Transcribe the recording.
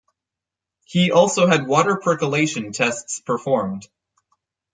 He also had water percolation tests performed.